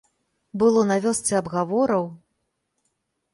Было на вёсцы абгавораў!